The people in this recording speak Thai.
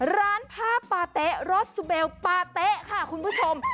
ร้านผ้าปาเต๊ะรสซูเบลปาเต๊ะค่ะคุณผู้ชม